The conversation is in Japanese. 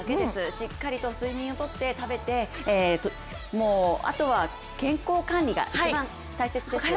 しっかりと睡眠をとって食べてあとは健康管理が一番大切ですね。